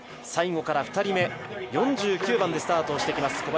最後から２人目、４９番でスタートしてきます